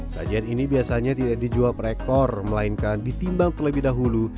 sajian ini biasanya tidak dijual perekor melainkan ditimbang terlebih dahulu